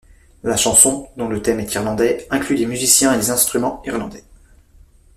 La chanson, dont le thème est irlandais, inclut des musiciens et des instruments irlandais.